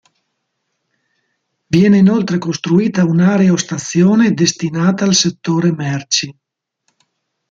Viene inoltre costruita un'aerostazione destinata al settore merci.